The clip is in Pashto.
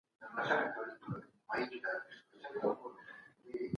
کومي تجربې د نورو په وړاندې د تعامل څرنګوالی څرګندوي؟